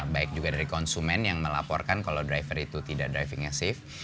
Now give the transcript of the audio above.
baik juga dari konsumen yang melaporkan kalau driver itu tidak drivingnya safe